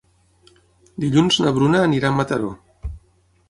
Dilluns na Bruna anirà a Mataró.